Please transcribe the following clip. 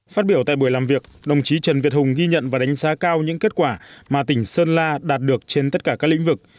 phát biểu tại buổi làm việc đồng chí trần việt hùng ghi nhận và đánh giá cao những kết quả mà tỉnh sơn la đạt được trên tất cả các lĩnh vực